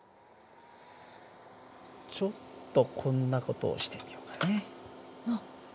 ちょっとこんな事をしてみようかね。